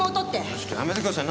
ちょっとやめてください。